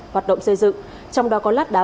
hoạt động xây dựng trong đó có lát đá